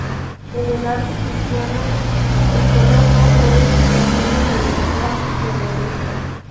En el arte cristiano, el color rojo es emblema de lealtad y de realeza.